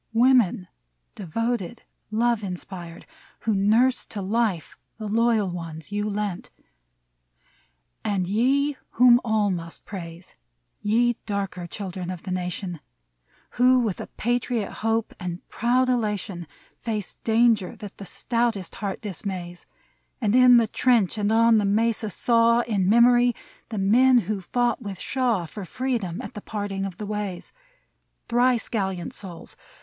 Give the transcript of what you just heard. Women devoted, love inspired. Who nursed to life the loyal ones you lent ; And ye —■ whom all must praise — Ye darker children of the nation ! 167 MEMORIAL ODE Who with a patriot hope and proud elation, Faced danger that the stoutest heart dismays ; And in the trench and on the mesa saw, In memory, the men who fought with Shaw For freedom, at the parting of the ways : Thrice gallant souls